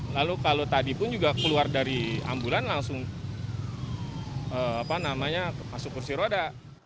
lalu kalau tadi pun juga keluar dari ambulan langsung masuk kursi roda